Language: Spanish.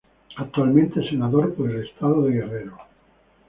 Actualmente es Senador por el Estado de Guerrero.